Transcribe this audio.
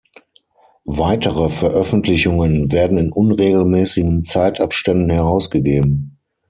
Weitere Veröffentlichungen werden in unregelmäßigen Zeitabständen herausgegeben.